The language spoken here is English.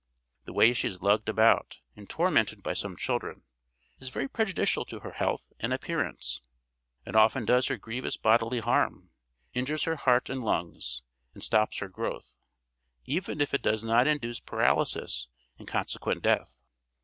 The way she is lugged about, and tormented by some children, is very prejudicial to her health and appearance. It often does her grievous bodily harm, injures her heart and lungs, and stops her growth, even if it does not induce paralysis and consequent death.